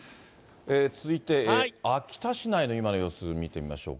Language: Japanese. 続いて秋田市内の今の様子を見てみましょうか。